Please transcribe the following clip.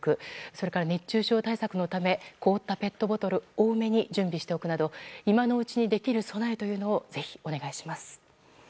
それから熱中症対策のため凍ったペットボトル多めに準備しておくなど今のうちにできる備えをぜひお願いします。